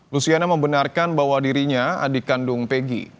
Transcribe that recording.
luciana membenarkan bahwa dirinya adik kandung peggy